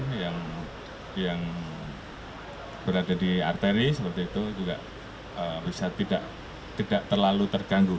jadi kita bisa menggunakan pola pola rekayasa yang berada di arteri seperti itu juga bisa tidak terlalu terganggu